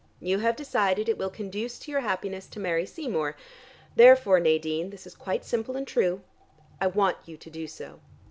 You have decided it will conduce to your happiness to marry Seymour. Therefore, Nadine this is quite simple and true I want you to do so.